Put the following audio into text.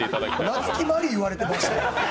夏木マリ言われてましたよ。